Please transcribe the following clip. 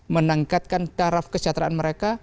menangkatkan taraf kesejahteraan mereka